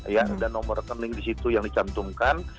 ya ada nomor rekening di situ yang dicantumkan